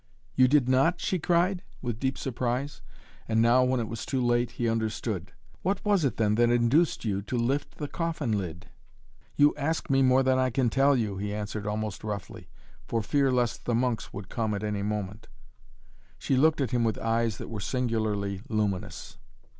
"You did not?" she cried, with deep surprise, and now, when it was too late, he understood. "What was it then that induced you, to lift the coffin lid?" "You ask me more than I can tell you," he answered almost roughly, for fear lest the monks would come at any moment. She looked at him with eyes that were singularly luminous.